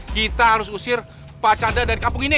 kita harus usir pak canda dari kampung ini